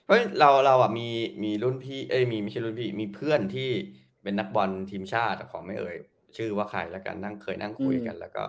อุ้ยเรามีเพื่อนที่เป็นนักบอลทีมชาติของไม่เอ่ยชื่อวะไข่ละกันเคยนั่งคุยกัน